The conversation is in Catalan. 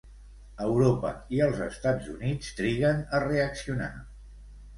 Europa i els Estats Units triguen a reaccionar.